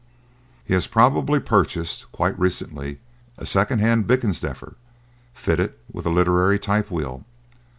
"He has probably purchased, quite recently, a second hand Blickensderfer, fitted with a literary typewheel."